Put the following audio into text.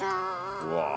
うわ。